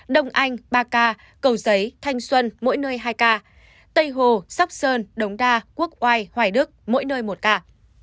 đông anh ba ca cầu giấy thanh xuân mỗi nơi hai ca tây hồ sóc sơn đống đa quốc oai hoài đức mỗi nơi một ca